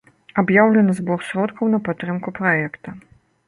Аб'яўлены збор сродкаў на падтрымку праекта.